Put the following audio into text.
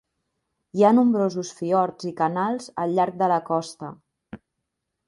Hi ha nombrosos fiords i canals al llarg de la costa.